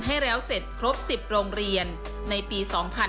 ให้แล้วเสร็จครบ๑๐โรงเรียนในปี๒๕๕๙